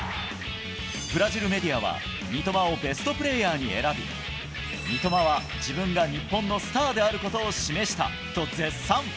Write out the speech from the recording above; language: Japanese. ブラジルメディアは、三笘をベストプレーヤーに選び、三笘は自分が日本のスターであることを示したと絶賛。